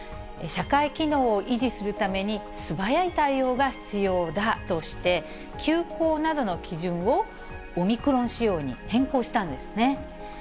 社会機能を維持するために、素早い対応が必要だとして、休校などの基準をオミクロン仕様に変更したんですね。